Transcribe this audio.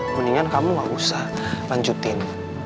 mendingan kamu gak usah lanjutin